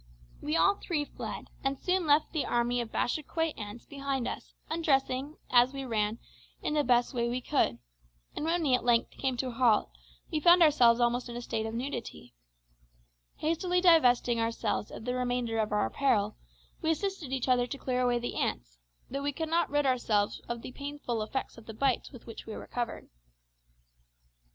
We all three fled, and soon left the army of Bashikouay ants behind us, undressing, as we ran, in the best way we could; and when we at length came to a halt we found ourselves almost in a state of nudity. Hastily divesting ourselves of the remainder of our apparel, we assisted each other to clear away the ants, though we could not rid ourselves of the painful effects of the bites with which we were covered.